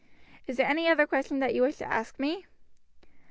Is there any other question that you wish to ask me?"